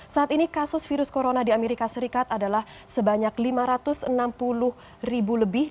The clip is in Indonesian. saat ini kasus virus corona di amerika serikat adalah sebanyak lima ratus enam puluh ribu lebih